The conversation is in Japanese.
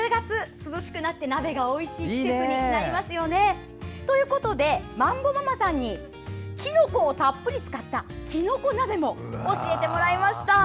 涼しくなって、鍋がおいしい季節になりますよね。ということで、まんぼママさんにきのこをたっぷり使ったきのこ鍋も教えてもらいました。